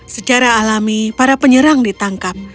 secara alami para penyerang ditangkap